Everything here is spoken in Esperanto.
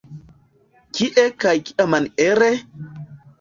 Kie kaj kiamaniere?